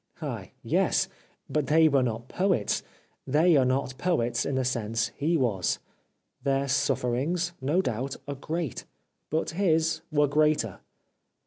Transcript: Ah, yes ! but they were not poets, they are not poets, in the sense he was. Their sufferings, no doubt, are great, but his were greater.